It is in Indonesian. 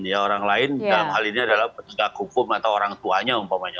ya orang lain dalam hal ini adalah penegak hukum atau orang tuanya umpamanya